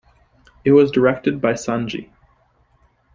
It was directed by Sanji.